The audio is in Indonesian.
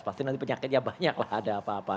pasti nanti penyakitnya banyak lah ada apa apa